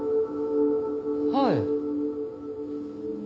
はい。